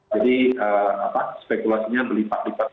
jadi spekulasinya belipak lipak